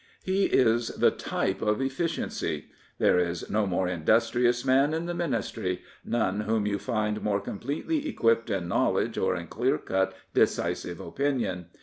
He is the t5q)e of eflSciency. There is no more industrious man in the Ministry, none whom you find more completely equipped in knowledge or in clear cut, decisive opinion.